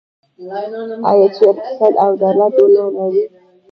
آیا چې اقتصاد او عدالت ونلري؟